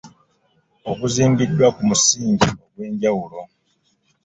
Oguzimbiddwa ku misingi egyenjawulo.